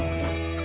ini udah terserah